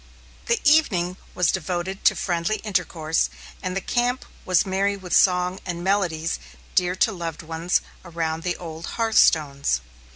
The evening was devoted to friendly intercourse, and the camp was merry with song and melodies dear to loved ones around the old hearthstones.